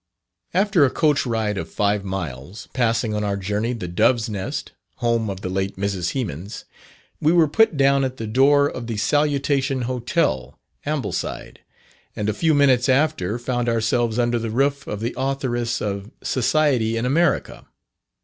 After a coach ride of five miles (passing on our journey the "Dove's Nest," home of the late Mrs. Hemans), we were put down at the door of the Salutation Hotel, Ambleside, and a few minutes after found ourselves under the roof of the authoress of "Society in America."